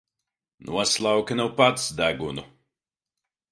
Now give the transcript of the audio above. Noslauki nu pats degunu!